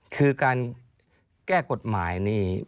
คือการแก้กฎหมายนี่